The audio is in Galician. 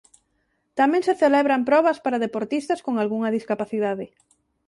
Tamén se celebran probas para deportistas con algunha discapacidade.